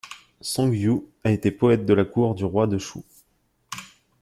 Song Yu a été poète de la cour du roi de Chu.